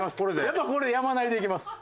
やっぱ山なりでいきます。